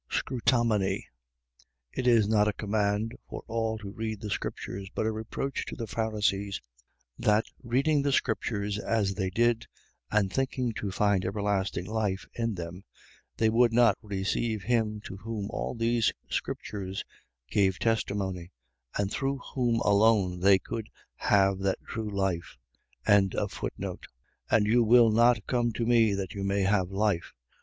Scrutamini. . .It is not a command for all to read the scriptures; but a reproach to the Pharisees, that reading the scriptures as they did, and thinking to find everlasting life in them, they would not receive him to whom all those scriptures gave testimony, and through whom alone they could have that true life. 5:40. And you will not come to me that you may have life.